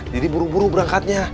jadi buru buru berangkatnya